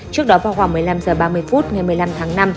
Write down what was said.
trước đó vào khoảng một mươi năm h ba mươi phút ngày một mươi năm tháng năm